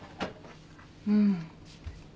うん。